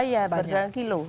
iya berdasarkan kilo